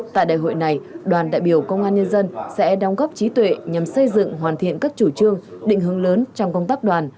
tại đại hội này đoàn đại biểu công an nhân dân sẽ đóng góp trí tuệ nhằm xây dựng hoàn thiện các chủ trương định hướng lớn trong công tác đoàn